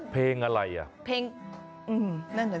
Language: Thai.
เพลงอะไรอะ